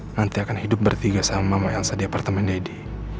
nanti akan hidup bertiga sama mama yang sedia apartemen deddy